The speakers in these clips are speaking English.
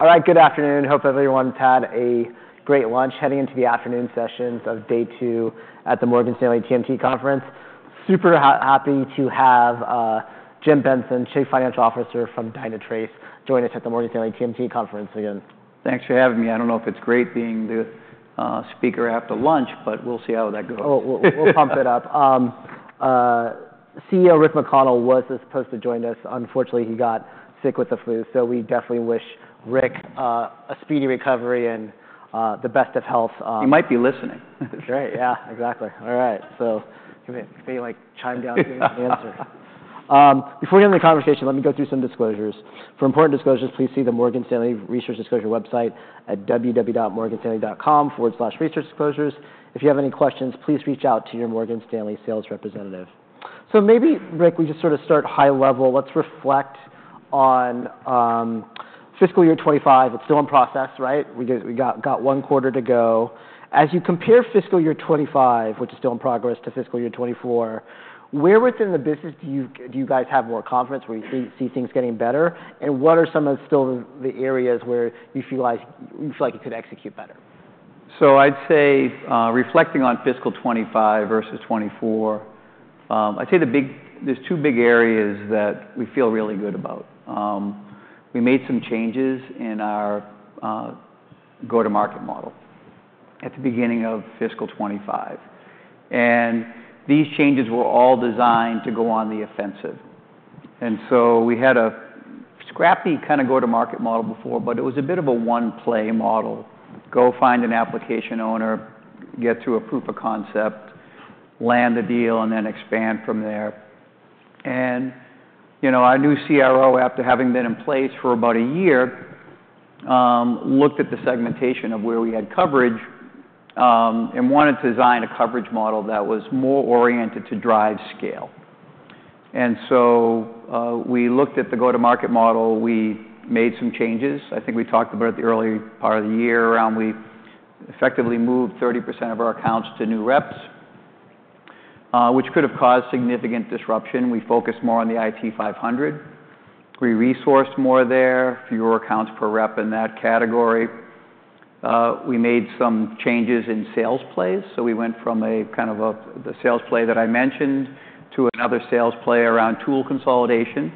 All right, good afternoon. Hope everyone's had a great lunch heading into the afternoon sessions of day two at the Morgan Stanley TMT Conference. Super happy to have Jim Benson, Chief Financial Officer from natrace, join us at the Morgan Stanley TMT Conference again. Thanks for having me. I don't know if it's great being the speaker after lunch, but we'll see how that goes. We'll pump it up. CEO Rick McConnell was supposed to join us. Unfortunately, he got sick with the flu, so we definitely wish Rick a speedy recovery and the best of health. He might be listening. Great, yeah, exactly. All right, so if they chime in, give me an answer. Before we get into the conversation, let me go through some disclosures. For important disclosures, please see the Morgan Stanley Research Disclosure website at www.morganstanley.com/researchdisclosures. If you have any questions, please reach out to your Morgan Stanley sales representative. So maybe, Rick, we just sort of start high level. Let's reflect on fiscal year 2025. It's still in progress, right? We got one quarter to go. As you compare fiscal year 2025, which is still in progress, to fiscal year 2024, where within the business do you guys have more confidence, where you see things getting better, and what are some of still the areas where you feel like you could execute better? I'd say, reflecting on fiscal 2025 versus 2024, I'd say there's two big areas that we feel really good about. We made some changes in our go-to-market model at the beginning of fiscal 2025. And these changes were all designed to go on the offensive. And so we had a scrappy kind of go-to-market model before, but it was a bit of a one-play model. Go find an application owner, get through a proof of concept, land the deal, and then expand from there. And our new CRO, after having been in place for about a year, looked at the segmentation of where we had coverage and wanted to design a coverage model that was more oriented to drive scale. And so we looked at the go-to-market model. We made some changes. I think we talked about it in the early part of the year. We effectively moved 30% of our accounts to new reps, which could have caused significant disruption. We focused more on the IT 500. We resourced more there, fewer accounts per rep in that category. We made some changes in sales plays, so we went from a kind of the sales play that I mentioned to another sales play around tool consolidation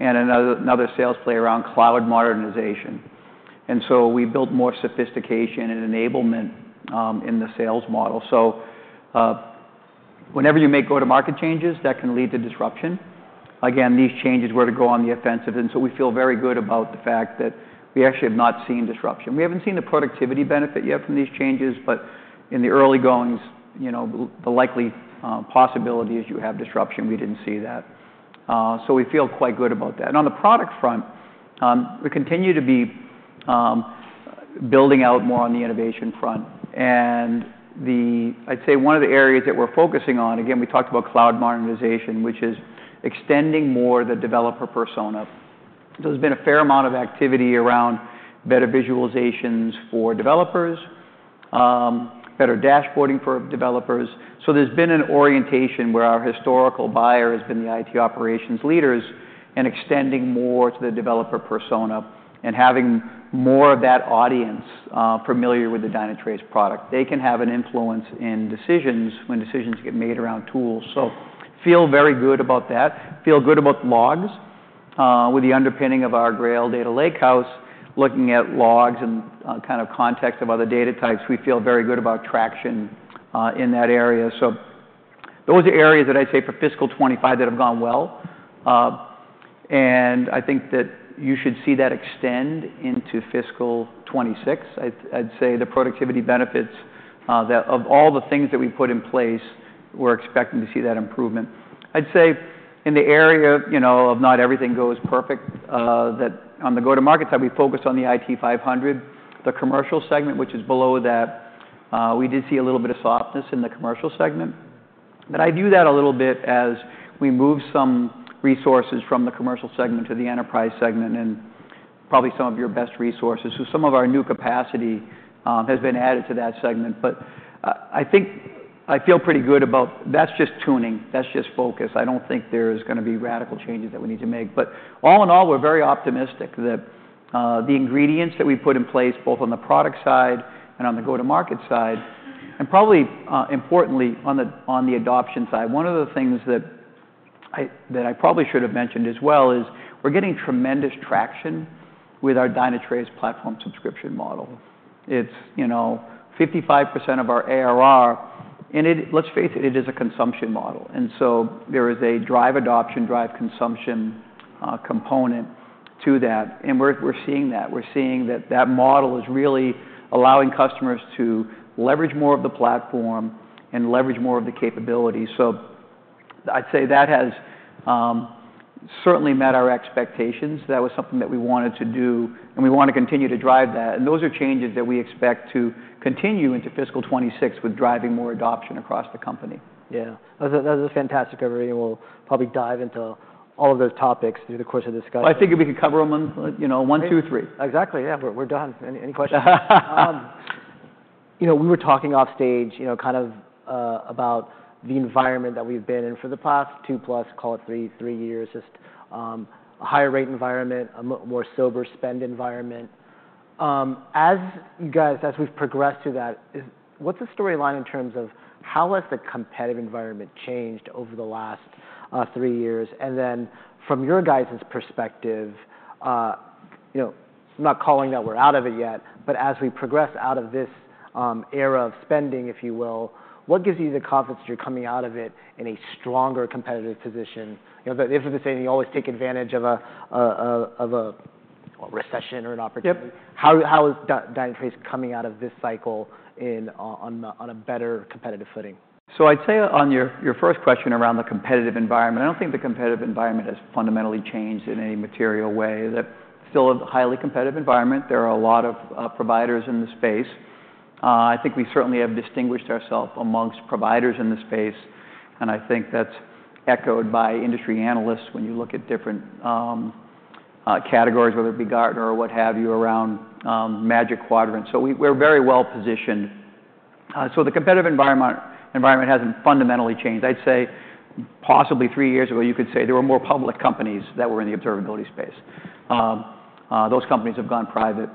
and another sales play around cloud modernization, and so we built more sophistication and enablement in the sales model, so whenever you make go-to-market changes, that can lead to disruption. Again, these changes were to go on the offensive, and so we feel very good about the fact that we actually have not seen disruption. We haven't seen the productivity benefit yet from these changes, but in the early goings, the likely possibility is you have disruption. We didn't see that, so we feel quite good about that. On the product front, we continue to be building out more on the innovation front, and I'd say one of the areas that we're focusing on, again, we talked about cloud modernization, which is extending more the developer persona. There's been a fair amount of activity around better visualizations for developers, better dashboarding for developers, so there's been an orientation where our historical buyer has been the IT operations leaders and extending more to the developer persona and having more of that audience familiar with the Dynatrace product. They can have an influence in decisions when decisions get made around tools, so feel very good about that. Feel good about logs. With the underpinning of our Grail data lakehouse, looking at logs and kind of context of other data types, we feel very good about traction in that area. So those are areas that I'd say for fiscal 2025 that have gone well. And I think that you should see that extend into fiscal 2026. I'd say the productivity benefits of all the things that we put in place, we're expecting to see that improvement. I'd say in the area of not everything goes perfect, that on the go-to-market side, we focused on the IT 500, the commercial segment, which is below that. We did see a little bit of softness in the commercial segment. But I view that a little bit as we moved some resources from the commercial segment to the enterprise segment and probably some of your best resources. So some of our new capacity has been added to that segment. But I think I feel pretty good about that. It's just tuning. That's just focus. I don't think there's going to be radical changes that we need to make. But all in all, we're very optimistic that the ingredients that we put in place, both on the product side and on the go-to-market side, and probably importantly, on the adoption side. One of the things that I probably should have mentioned as well is we're getting tremendous traction with our Dynatrace Platform Subscription model. It's 55% of our ARR. And let's face it, it is a consumption model. And so there is a drive adoption, drive consumption component to that. And we're seeing that. We're seeing that that model is really allowing customers to leverage more of the platform and leverage more of the capability. So I'd say that has certainly met our expectations. That was something that we wanted to do, and we want to continue to drive that. Those are changes that we expect to continue into fiscal 2026 with driving more adoption across the company. Yeah. That was fantastic, everybody. We'll probably dive into all of those topics through the course of discussion. I think we can cover them one, two, three. Exactly. Yeah, we're done. Any questions? We were talking off stage kind of about the environment that we've been in for the past two plus, call it three years, just a higher rate environment, a more sober spend environment. As we've progressed through that, what's the storyline in terms of how has the competitive environment changed over the last three years? And then from your guys' perspective, I'm not calling that we're out of it yet, but as we progress out of this era of spending, if you will, what gives you the confidence that you're coming out of it in a stronger competitive position? If it's the same, you always take advantage of a recession or an opportunity. How is Dynatrace coming out of this cycle on a better competitive footing? So I'd say on your first question around the competitive environment, I don't think the competitive environment has fundamentally changed in any material way. Still a highly competitive environment. There are a lot of providers in the space. I think we certainly have distinguished ourselves amongst providers in the space. And I think that's echoed by industry analysts when you look at different categories, whether it be Gartner or what have you, around Magic Quadrant. So we're very well positioned. So the competitive environment hasn't fundamentally changed. I'd say possibly three years ago, you could say there were more public companies that were in the observability space. Those companies have gone private,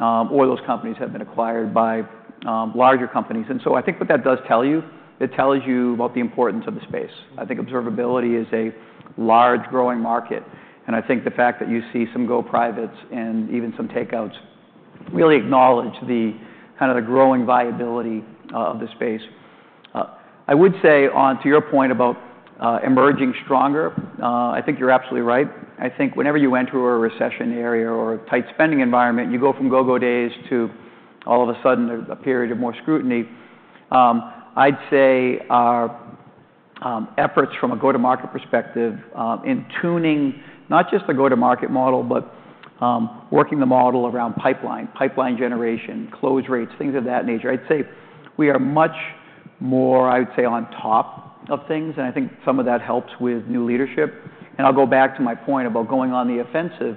or those companies have been acquired by larger companies. And so I think what that does tell you, it tells you about the importance of the space. I think observability is a large growing market. And I think the fact that you see some go-to-privates and even some takeouts really acknowledge the kind of growing viability of the space. I would say onto your point about emerging stronger, I think you're absolutely right. I think whenever you enter a recession area or a tight spending environment, you go from go-go days to all of a sudden a period of more scrutiny. I'd say our efforts from a go-to-market perspective in tuning not just the go-to-market model, but working the model around pipeline, pipeline generation, close rates, things of that nature. I'd say we are much more, I would say, on top of things. And I think some of that helps with new leadership. And I'll go back to my point about going on the offensive.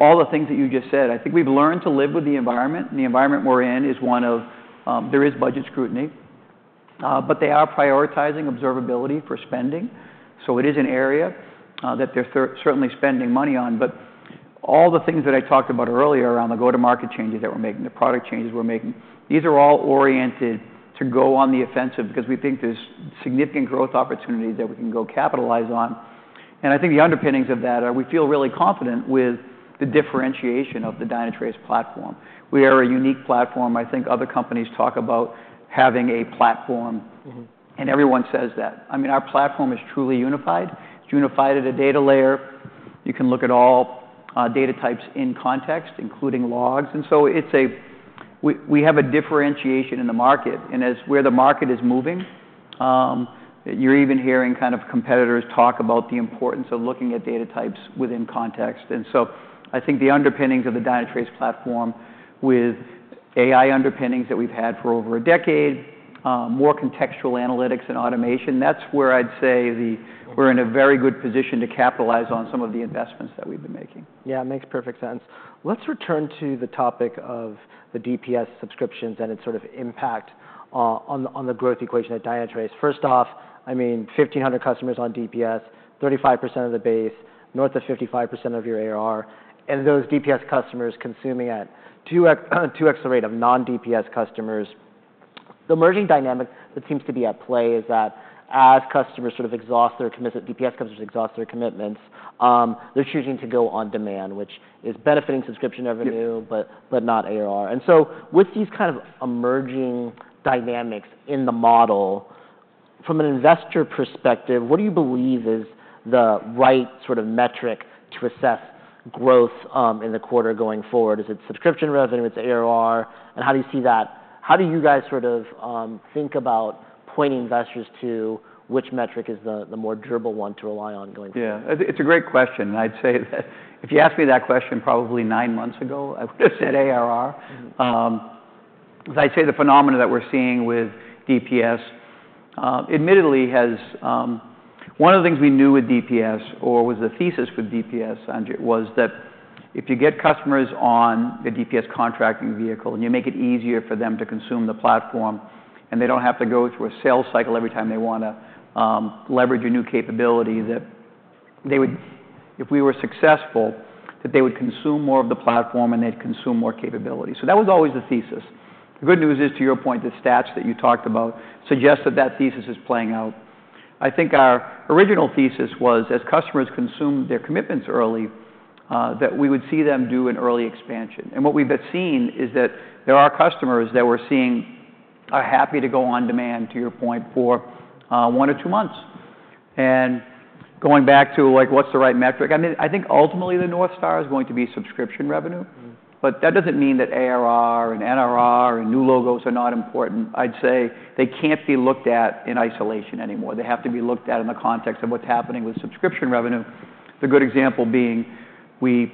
All the things that you just said, I think we've learned to live with the environment. The environment we're in is one where there is budget scrutiny, but they are prioritizing observability for spending. So it is an area that they're certainly spending money on. But all the things that I talked about earlier around the go-to-market changes that we're making, the product changes we're making, these are all oriented to go on the offensive because we think there's significant growth opportunity that we can go capitalize on. And I think the underpinnings of that are we feel really confident with the differentiation of the Dynatrace Platform. We are a unique platform. I think other companies talk about having a platform, and everyone says that. I mean, our platform is truly unified. It's unified at a data layer. You can look at all data types in context, including logs. And so we have a differentiation in the market. As to where the market is moving, you're even hearing kind of competitors talk about the importance of looking at data types within context. And so I think the underpinnings of the Dynatrace Platform with AI underpinnings that we've had for over a decade, more contextual analytics and automation, that's where I'd say we're in a very good position to capitalize on some of the investments that we've been making. Yeah, it makes perfect sense. Let's return to the topic of the DPS subscriptions and its sort of impact on the growth equation at Dynatrace. First off, I mean, 1,500 customers on DPS, 35% of the base, North of 55% of your ARR. And those DPS customers consuming at 2x the rate of Non-DPS customers. The emerging dynamic that seems to be at play is that as customers sort of exhaust their commitments, DPS customers exhaust their commitments, they're choosing to go on demand, which is benefiting subscription revenue, but not ARR. And so with these kind of emerging dynamics in the model, from an investor perspective, what do you believe is the right sort of metric to assess growth in the quarter going forward? Is it subscription revenue? It's ARR? And how do you see that? How do you guys sort of think about pointing investors to which metric is the more durable one to rely on going forward? Yeah, it's a great question, and I'd say that if you asked me that question probably nine months ago, I would have said ARR. As I say, the phenomena that we're seeing with DPS admittedly has one of the things we knew with DPS, or was the thesis with DPS, was that if you get customers on the DPS contracting vehicle and you make it easier for them to consume the platform and they don't have to go through a sales cycle every time they want to leverage a new capability, that if we were successful, that they would consume more of the platform and they'd consume more capability. So that was always the thesis. The good news is, to your point, the stats that you talked about suggest that that thesis is playing out. I think our original thesis was, as customers consume their commitments early, that we would see them do an early expansion. And what we've seen is that there are customers that we're seeing are happy to go on demand, to your point, for one or two months. And going back to what's the right metric, I mean, I think ultimately the North Star is going to be subscription revenue. But that doesn't mean that ARR and NRR and new logos are not important. I'd say they can't be looked at in isolation anymore. They have to be looked at in the context of what's happening with subscription revenue. The good example being we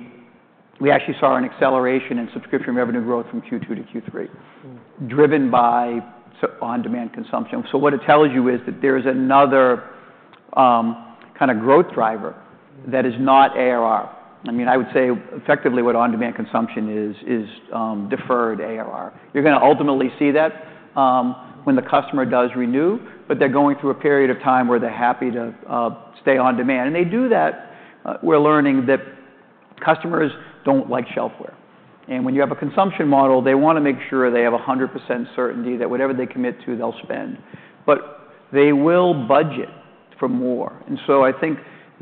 actually saw an acceleration in subscription revenue growth from Q2 to Q3, driven by on-demand consumption. So what it tells you is that there is another kind of growth driver that is not ARR. I mean, I would say effectively what on-demand consumption is, is deferred ARR. You're going to ultimately see that when the customer does renew, but they're going through a period of time where they're happy to stay on demand. And they do that. We're learning that customers don't like shelfware. And when you have a consumption model, they want to make sure they have 100% certainty that whatever they commit to, they'll spend. But they will budget for more. And so I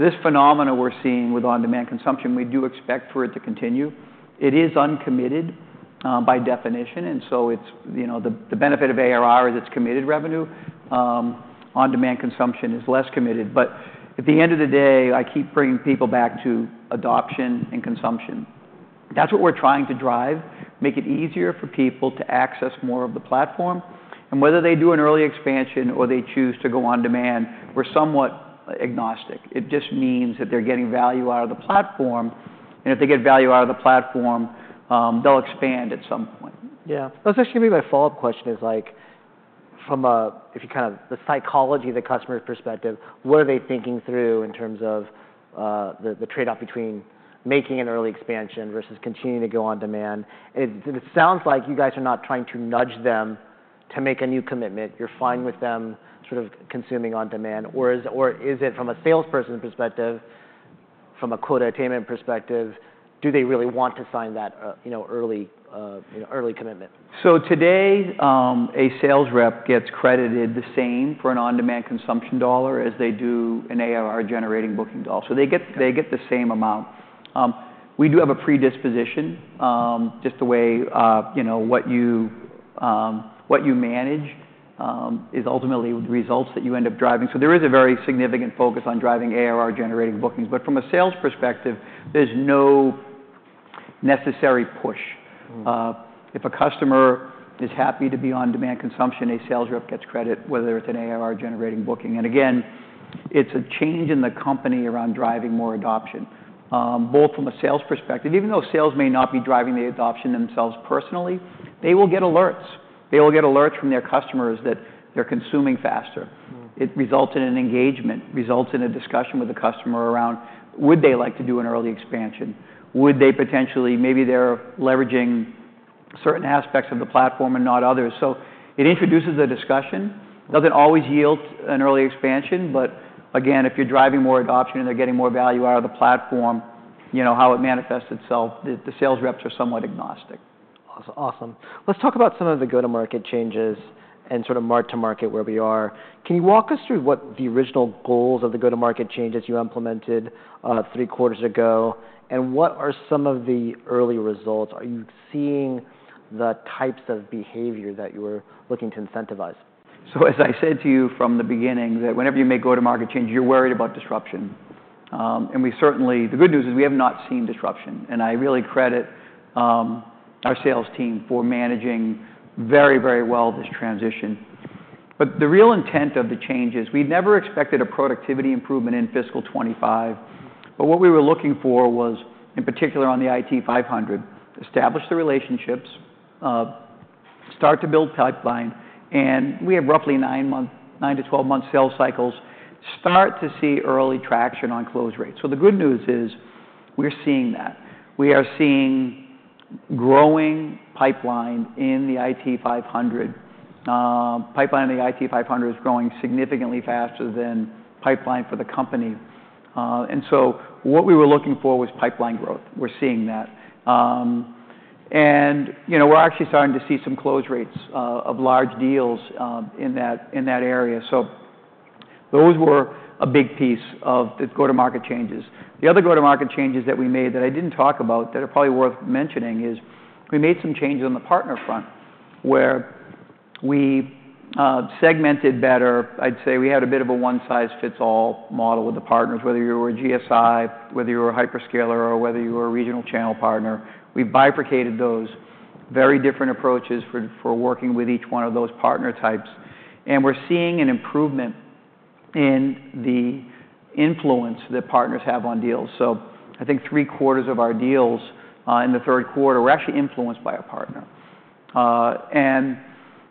think this phenomena we're seeing with on-demand consumption, we do expect for it to continue. It is uncommitted by definition. And so the benefit of ARR is it's committed revenue. On-demand consumption is less committed. But at the end of the day, I keep bringing people back to adoption and consumption. That's what we're trying to drive, make it easier for people to access more of the platform. Whether they do an early expansion or they choose to go on demand, we're somewhat agnostic. It just means that they're getting value out of the platform. If they get value out of the platform, they'll expand at some point. Yeah. That was actually going to be my follow-up question is like, if you kind of the psychology of the customer's perspective, what are they thinking through in terms of the trade-off between making an early expansion versus continuing to go on demand? And it sounds like you guys are not trying to nudge them to make a new commitment. You're fine with them sort of consuming on demand. Or is it from a salesperson's perspective, from a quota attainment perspective, do they really want to sign that early commitment? So today, a sales rep gets credited the same for an on-demand consumption dollar as they do an ARR-generating booking dollar. So they get the same amount. We do have a predisposition. Just the way what you manage is ultimately the results that you end up driving. So there is a very significant focus on driving ARR-generating bookings. But from a sales perspective, there's no necessary push. If a customer is happy to be on-demand consumption, a sales rep gets credit, whether it's an ARR-generating booking. And again, it's a change in the company around driving more adoption, both from a sales perspective. Even though sales may not be driving the adoption themselves personally, they will get alerts. They will get alerts from their customers that they're consuming faster. It results in an engagement, results in a discussion with the customer around would they like to do an early expansion? Would they potentially, maybe they're leveraging certain aspects of the platform and not others, so it introduces a discussion. It doesn't always yield an early expansion, but again, if you're driving more adoption and they're getting more value out of the platform, how it manifests itself, the sales reps are somewhat agnostic. Awesome. Let's talk about some of the go-to-market changes and sort of market-to-market where we are. Can you walk us through what the original goals of the go-to-market changes you implemented three quarters ago? And what are some of the early results? Are you seeing the types of behavior that you were looking to incentivize? So as I said to you from the beginning, that whenever you make go-to-market change, you're worried about disruption. And we certainly, the good news is, we have not seen disruption. And I really credit our sales team for managing very, very well this transition. But the real intent of the changes, we never expected a productivity improvement in fiscal 2025. But what we were looking for was, in particular on the IT 500, establish the relationships, start to build pipeline. And we have roughly nine to 12-month sales cycles, start to see early traction on close rates. So the good news is we're seeing that. We are seeing growing pipeline in the IT 500. Pipeline in the IT 500 is growing significantly faster than pipeline for the company. And so what we were looking for was pipeline growth. We're seeing that. And we're actually starting to see some close rates of large deals in that area. So those were a big piece of the go-to-market changes. The other go-to-market changes that we made that I didn't talk about that are probably worth mentioning is we made some changes on the partner front where we segmented better. I'd say we had a bit of a one-size-fits-all model with the partners, whether you were a GSI, whether you were a hyperscaler, or whether you were a regional channel partner. We bifurcated those very different approaches for working with each one of those partner types. And we're seeing an improvement in the influence that partners have on deals. So I think three quarters of our deals in the third quarter were actually influenced by a partner. And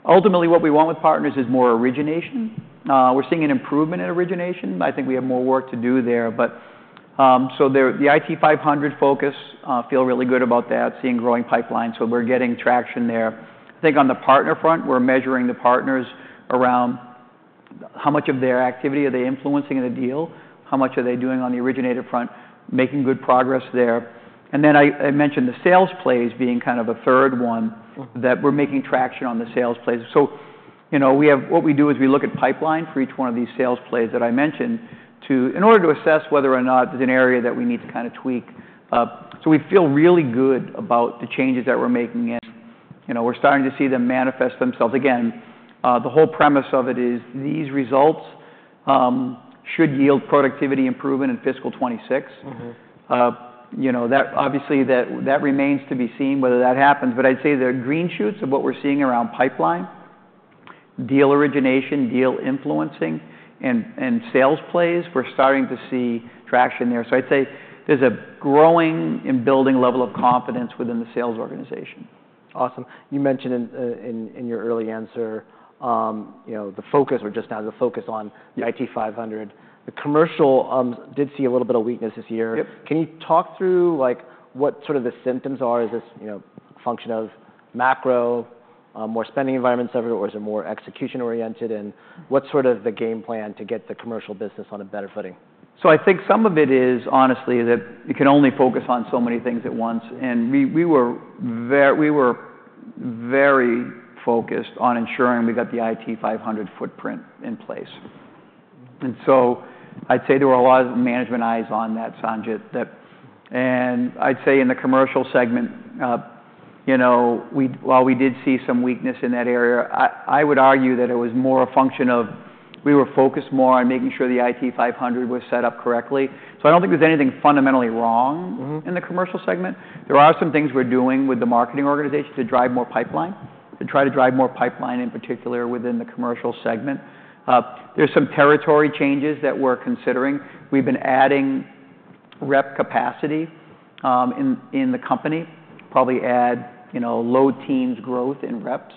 ultimately, what we want with partners is more origination. We're seeing an improvement in origination. I think we have more work to do there. But, so the IT 500 focus, feel really good about that, seeing growing pipeline. So, we're getting traction there. I think on the partner front, we're measuring the partners around how much of their activity are they influencing in a deal, how much are they doing on the originator front, making good progress there. And then I mentioned the sales plays being kind of a third one that we're making traction on the sales plays. So, what we do is we look at pipeline for each one of these sales plays that I mentioned in order to assess whether or not there's an area that we need to kind of tweak. So, we feel really good about the changes that we're making. And, we're starting to see them manifest themselves. Again, the whole premise of it is these results should yield productivity improvement in fiscal 2026. Obviously, that remains to be seen whether that happens. But I'd say the green shoots of what we're seeing around pipeline, deal origination, deal influencing, and sales plays. We're starting to see traction there. So I'd say there's a growing and building level of confidence within the sales organization. Awesome. You mentioned in your early answer the focus or just now the focus on the IT 500. The commercial did see a little bit of weakness this year. Can you talk through what sort of the symptoms are? Is this a function of macro, more spending environments ever, or is it more execution-oriented? And what's sort of the game plan to get the commercial business on a better footing? So I think some of it is honestly that you can only focus on so many things at once. And we were very focused on ensuring we got the IT 500 footprint in place. And so I'd say there were a lot of management eyes on that, Sanjit. And I'd say in the commercial segment, while we did see some weakness in that area, I would argue that it was more a function of we were focused more on making sure the IT 500 was set up correctly. So I don't think there's anything fundamentally wrong in the commercial segment. There are some things we're doing with the marketing organization to drive more pipeline, to try to drive more pipeline in particular within the commercial segment. There's some territory changes that we're considering. We've been adding rep capacity in the company, probably a low teens growth in reps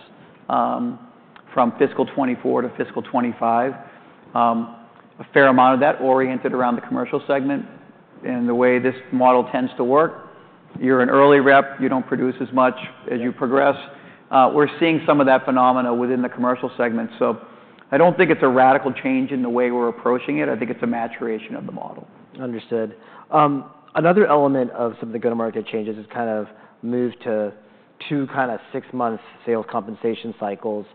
from fiscal 2024 to fiscal 2025, a fair amount of that oriented around the commercial segment. The way this model tends to work, you're an early rep, you don't produce as much as you progress. We're seeing some of that phenomena within the commercial segment. I don't think it's a radical change in the way we're approaching it. I think it's a maturation of the model. Understood. Another element of some of the go-to-market changes is kind of move to two kind of six-month sales compensation cycles.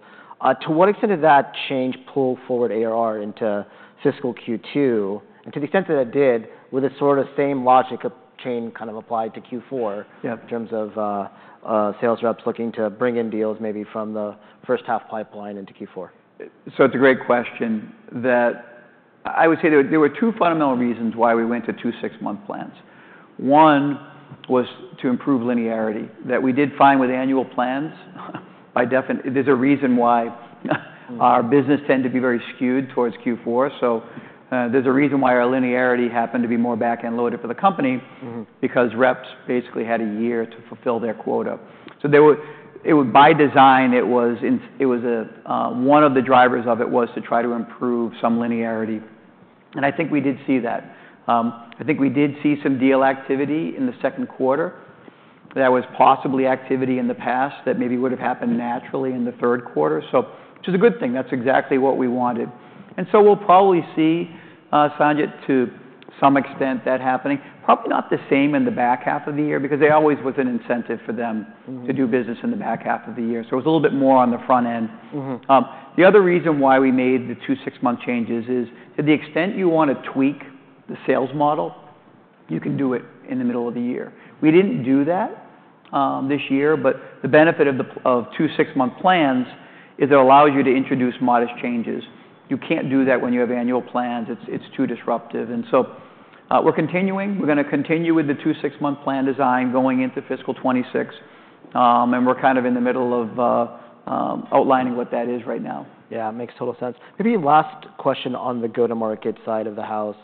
To what extent did that change pull forward ARR into fiscal Q2, and to the extent that it did, would the sort of same logic chain kind of apply to Q4 in terms of sales reps looking to bring in deals maybe from the first half pipeline into Q4? So it's a great question that I would say there were two fundamental reasons why we went to two six-month plans. One was to improve linearity that we did find with annual plans. There's a reason why our business tended to be very skewed towards Q4. So there's a reason why our linearity happened to be more back-end loaded for the company because reps basically had a year to fulfill their quota. So by design, one of the drivers of it was to try to improve some linearity. And I think we did see that. I think we did see some deal activity in the second quarter that was possibly activity in the past that maybe would have happened naturally in the third quarter. So which is a good thing. That's exactly what we wanted. And so we'll probably see, Sanjit, to some extent that happening, probably not the same in the back half of the year because there always was an incentive for them to do business in the back half of the year. So it was a little bit more on the front end. The other reason why we made the two six-month changes is to the extent you want to tweak the sales model, you can do it in the middle of the year. We didn't do that this year. But the benefit of two six-month plans is it allows you to introduce modest changes. You can't do that when you have annual plans. It's too disruptive. And so we're continuing. We're going to continue with the two six-month plan design going into fiscal 2026. And we're kind of in the middle of outlining what that is right now. Yeah. Makes total sense. Maybe last question on the go-to-market side of the house.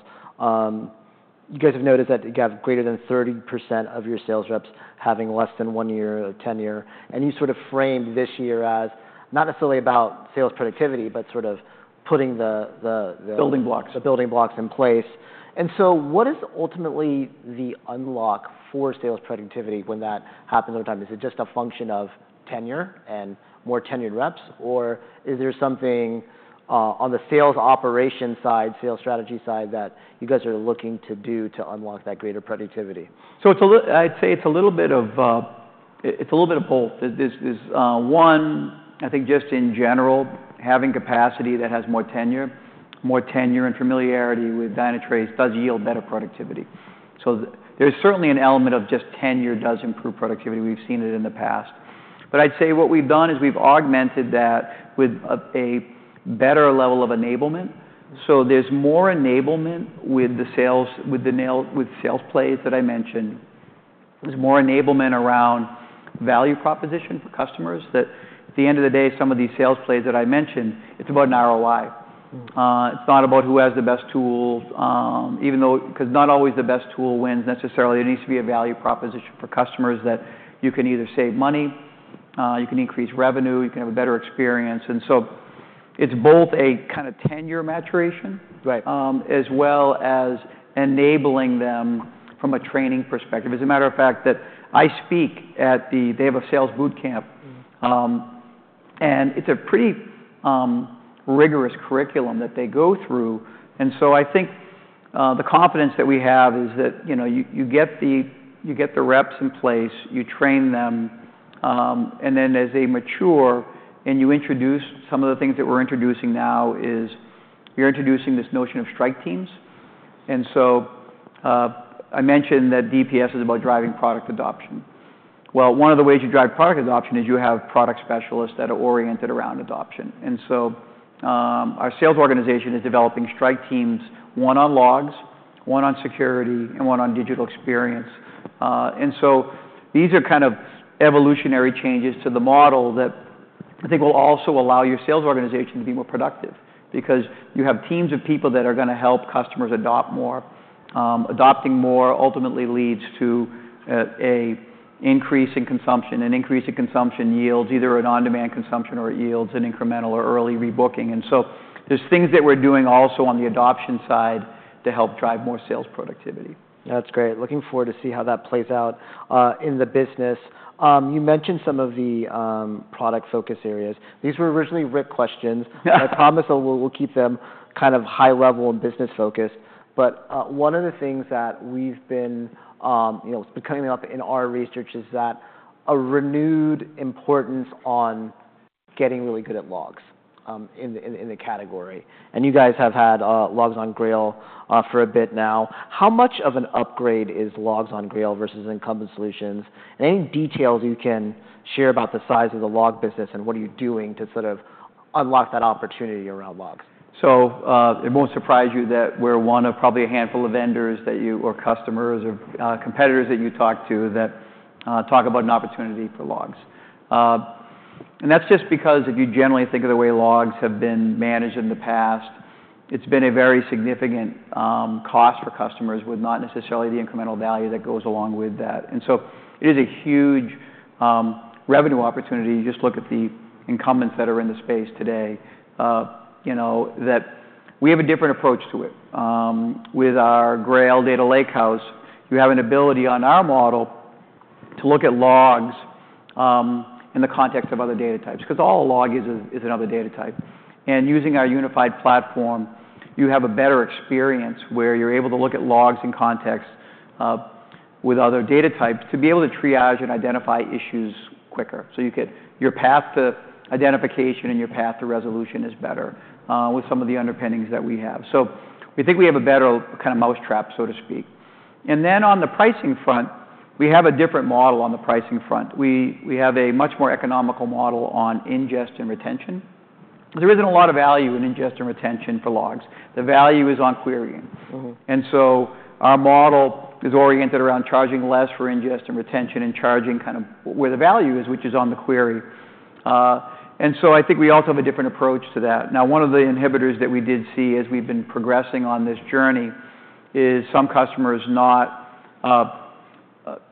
You guys have noticed that you have greater than 30% of your sales reps having less than one year or tenure. And you sort of framed this year as not necessarily about sales productivity, but sort of putting the. Building blocks. The building blocks in place. And so what is ultimately the unlock for sales productivity when that happens over time? Is it just a function of tenure and more tenured reps? Or is there something on the sales operation side, sales strategy side that you guys are looking to do to unlock that greater productivity? So I'd say it's a little bit of both. I think just in general, having capacity that has more tenure and familiarity with Dynatrace does yield better productivity. So there's certainly an element of just tenure does improve productivity. We've seen it in the past. But I'd say what we've done is we've augmented that with a better level of enablement. So there's more enablement with the sales plays that I mentioned. There's more enablement around value proposition for customers that at the end of the day, some of these sales plays that I mentioned, it's about an ROI. It's not about who has the best tool because not always the best tool wins necessarily. There needs to be a value proposition for customers that you can either save money, you can increase revenue, you can have a better experience. And so it's both a kind of tenure maturation as well as enabling them from a training perspective. As a matter of fact, I speak at their sales boot camp. And it's a pretty rigorous curriculum that they go through. And so I think the confidence that we have is that you get the reps in place, you train them. And then as they mature and you introduce some of the things that we're introducing now, you're introducing this notion of strike teams. And so I mentioned that DPS is about driving product adoption. Well, one of the ways you drive product adoption is you have product specialists that are oriented around adoption. And so our sales organization is developing strike teams, one on logs, one on security, and one on digital experience. And so these are kind of evolutionary changes to the model that I think will also allow your sales organization to be more productive because you have teams of people that are going to help customers adopt more. Adopting more ultimately leads to an increase in consumption, an increase in consumption yields, either an on-demand consumption or yields an incremental or early rebooking. And so there's things that we're doing also on the adoption side to help drive more sales productivity. That's great. Looking forward to see how that plays out in the business. You mentioned some of the product focus areas. These were originally Rick questions. I promise we'll keep them kind of high level and business focused. But one of the things that we've been coming up in our research is that a renewed importance on getting really good at logs in the category. And you guys have had logs on Grail for a bit now. How much of an upgrade is logs on Grail versus incumbent solutions? And any details you can share about the size of the log business and what are you doing to sort of unlock that opportunity around logs? So it won't surprise you that we're one of probably a handful of vendors or customers or competitors that you talk to that talk about an opportunity for logs. And that's just because if you generally think of the way logs have been managed in the past, it's been a very significant cost for customers with not necessarily the incremental value that goes along with that. And so it is a huge revenue opportunity. You just look at the incumbents that are in the space today that we have a different approach to it. With our Grail data lakehouse, you have an ability on our model to look at logs in the context of other data types because all a log is another data type. And using our unified platform, you have a better experience where you're able to look at logs in context with other data types to be able to triage and identify issues quicker. So your path to identification and your path to resolution is better with some of the underpinnings that we have. So we think we have a better kind of mousetrap, so to speak. And then on the pricing front, we have a different model on the pricing front. We have a much more economical model on ingest and retention. There isn't a lot of value in ingest and retention for logs. The value is on querying. And so our model is oriented around charging less for ingest and retention and charging kind of where the value is, which is on the query. And so I think we also have a different approach to that. Now, one of the inhibitors that we did see as we've been progressing on this journey is some customers not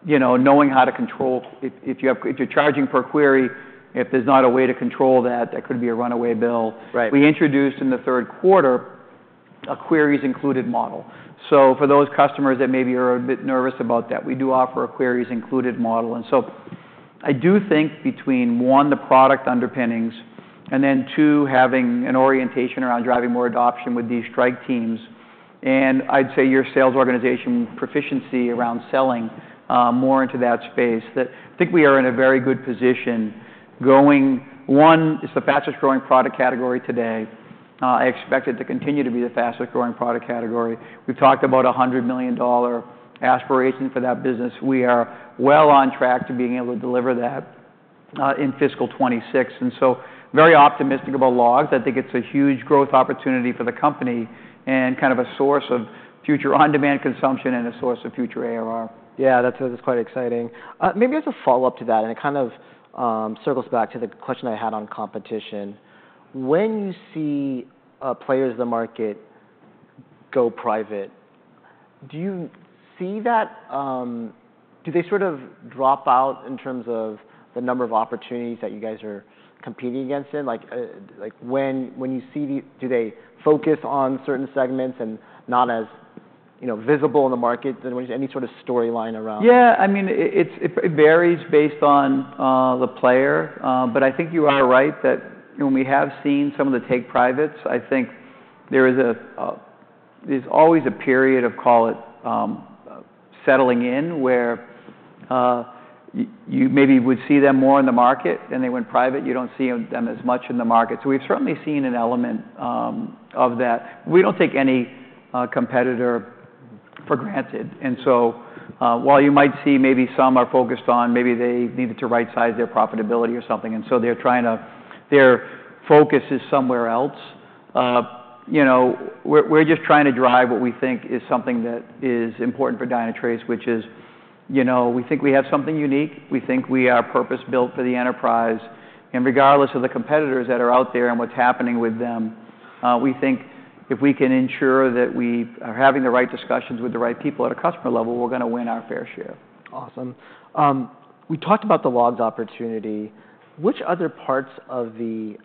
knowing how to control if you're charging per query, if there's not a way to control that, that could be a runaway bill. We introduced in the third quarter a queries included model. So for those customers that maybe are a bit nervous about that, we do offer a queries included model. And so I do think between one, the product underpinnings, and then two, having an orientation around driving more adoption with these strike teams. And I'd say your sales organization proficiency around selling more into that space that I think we are in a very good position going one, it's the fastest growing product category today. I expect it to continue to be the fastest growing product category. We've talked about a $100 million aspiration for that business. We are well on track to being able to deliver that in fiscal 2026, and so very optimistic about logs. I think it's a huge growth opportunity for the company and kind of a source of future on-demand consumption and a source of future ARR. Yeah. That's quite exciting. Maybe as a follow-up to that, and it kind of circles back to the question I had on competition. When you see players in the market go private, do you see that? Do they sort of drop out in terms of the number of opportunities that you guys are competing against in? When you see them, do they focus on certain segments and not as visible in the market? Any sort of storyline around? Yeah. I mean, it varies based on the player. But I think you are right that when we have seen some of the take privates, I think there is always a period of, call it, settling in where you maybe would see them more in the market. Then they went private. You don't see them as much in the market. So we've certainly seen an element of that. We don't take any competitor for granted. And so while you might see maybe some are focused on maybe they needed to right-size their profitability or something. And so they're trying to, their focus is somewhere else. We're just trying to drive what we think is something that is important for Dynatrace, which is we think we have something unique. We think we are purpose-built for the enterprise. Regardless of the competitors that are out there and what's happening with them, we think if we can ensure that we are having the right discussions with the right people at a customer level, we're going to win our fair share. Awesome. We talked about the logs opportunity. Which other parts of the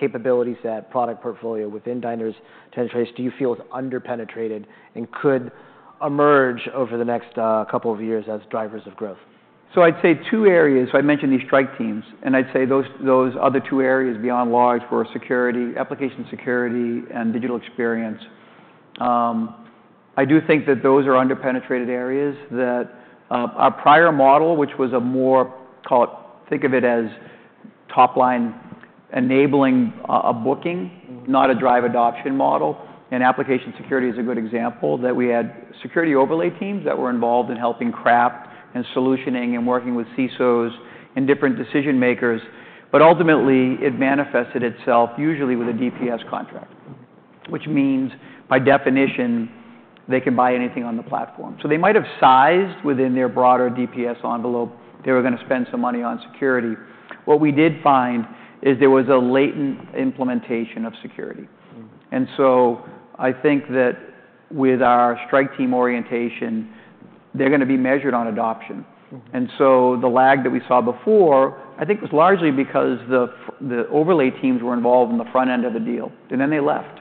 capabilities that product portfolio within Dynatrace do you feel is underpenetrated and could emerge over the next couple of years as drivers of growth? So I'd say two areas. So I mentioned these strike teams. And I'd say those other two areas beyond logs for security, application security, and digital experience. I do think that those are underpenetrated areas that our prior model, which was a more, call it, think of it as top-line enabling a booking, not a drive adoption model. And application security is a good example that we had security overlay teams that were involved in helping craft and solutioning and working with CISOs and different decision makers. But ultimately, it manifested itself usually with a DPS contract, which means by definition, they can buy anything on the platform. So they might have sized within their broader DPS envelope they were going to spend some money on security. What we did find is there was a latent implementation of security. I think that with our strike team orientation, they're going to be measured on adoption. The lag that we saw before, I think was largely because the overlay teams were involved in the front end of the deal. Then they left.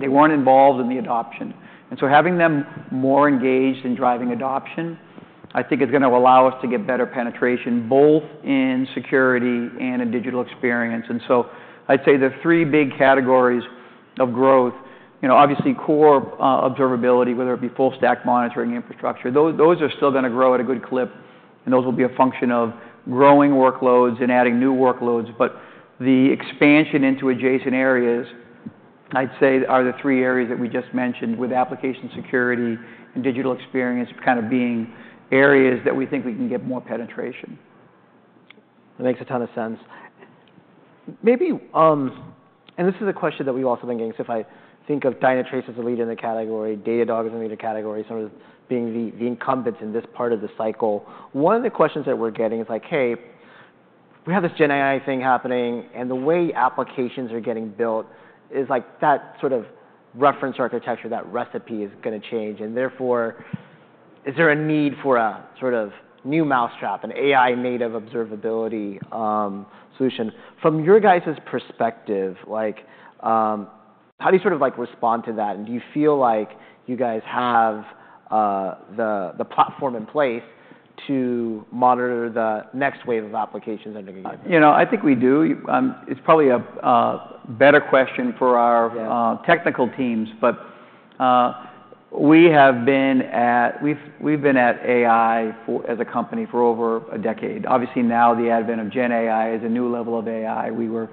They weren't involved in the adoption. Having them more engaged in driving adoption, I think is going to allow us to get better penetration both in security and in digital experience. I'd say the three big categories of growth, obviously core observability, whether it be full stack monitoring infrastructure, those are still going to grow at a good clip. Those will be a function of growing workloads and adding new workloads. But the expansion into adjacent areas, I'd say, are the three areas that we just mentioned with application security and digital experience kind of being areas that we think we can get more penetration. That makes a ton of sense. Maybe, and this is a question that we've also been getting. So if I think of Dynatrace as a leader in the category, Datadog as a leader category, sort of being the incumbents in this part of the cycle, one of the questions that we're getting is like, hey, we have this GenAI thing happening. And the way applications are getting built is like that sort of reference architecture, that recipe is going to change. And therefore, is there a need for a sort of new mousetrap, an AI-native observability solution? From your guys' perspective, how do you sort of respond to that? And do you feel like you guys have the platform in place to monitor the next wave of applications under? I think we do. It's probably a better question for our technical teams. But we have been at AI as a company for over a decade. Obviously, now the advent of GenAI is a new level of AI. We were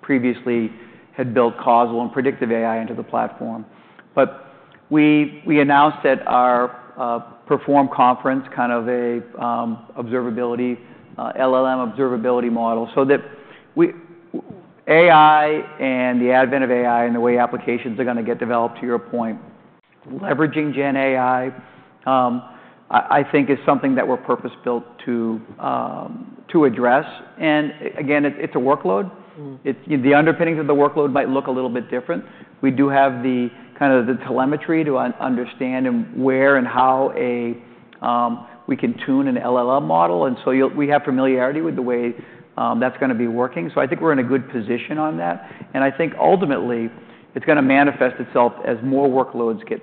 previously had built causal and predictive AI into the platform. But we announced at our Perform conference kind of an observability LLM observability model so that AI and the advent of AI and the way applications are going to get developed, to your point, leveraging GenAI, I think is something that we're purpose-built to address. And again, it's a workload. The underpinnings of the workload might look a little bit different. We do have the kind of the telemetry to understand where and how we can tune an LLM model. And so we have familiarity with the way that's going to be working. So I think we're in a good position on that. And I think ultimately, it's going to manifest itself as more workloads get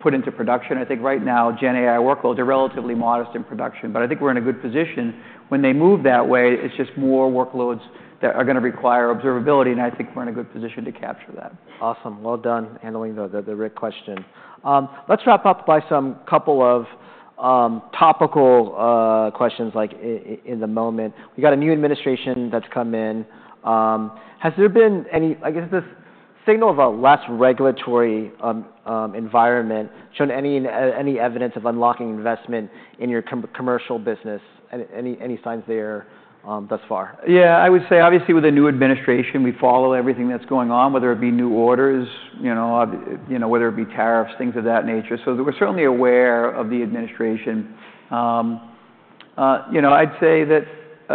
put into production. I think right now, GenAI workloads are relatively modest in production. But I think we're in a good position. When they move that way, it's just more workloads that are going to require observability. And I think we're in a good position to capture that. Awesome. Well done handling the Rick question. Let's wrap up by some couple of topical questions in the moment. We've got a new administration that's come in. Has there been any, I guess, this signal of a less regulatory environment shown any evidence of unlocking investment in your commercial business? Any signs there thus far? Yeah. I would say obviously with the new administration, we follow everything that's going on, whether it be new orders, whether it be tariffs, things of that nature. So we're certainly aware of the administration. I'd say that for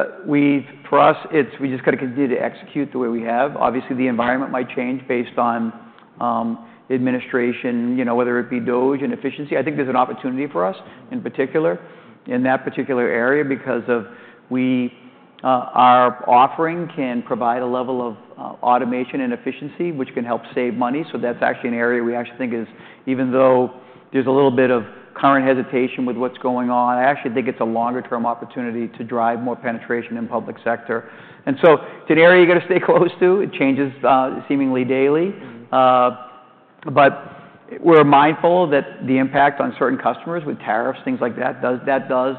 us, we just got to continue to execute the way we have. Obviously, the environment might change based on administration, whether it be DOGE and efficiency. I think there's an opportunity for us in particular in that particular area because of our offering can provide a level of automation and efficiency, which can help save money. So that's actually an area we actually think is, even though there's a little bit of current hesitation with what's going on, I actually think it's a longer-term opportunity to drive more penetration in public sector. And so it's an area you got to stay close to. It changes seemingly daily. But we're mindful that the impact on certain customers with tariffs, things like that, that does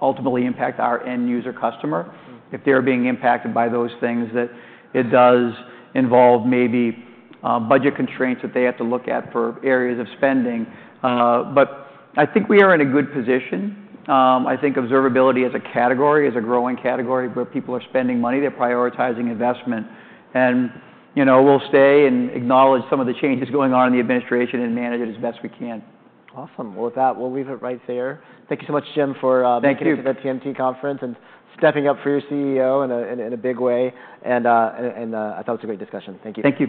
ultimately impact our end user customer if they're being impacted by those things that it does involve maybe budget constraints that they have to look at for areas of spending. But I think we are in a good position. I think observability as a category is a growing category where people are spending money. They're prioritizing investment. And we'll stay and acknowledge some of the changes going on in the administration and manage it as best we can. Awesome. Well, with that, we'll leave it right there. Thank you so much, Jim, for being at the TMT conference and stepping up for your CEO in a big way. And I thought it was a great discussion. Thank you. Thank you.